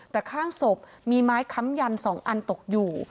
แต่ข้างศพมีไม้ค้ำยัน๒อันตกอยู่